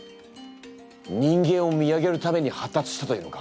人間を見上げるために発達したというのか？